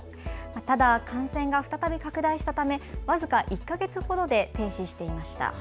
ただ感染が再び拡大したため僅か１か月ほどで停止していました。